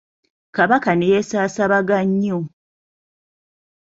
Kabaka ne yeesaasaabaga nnyo.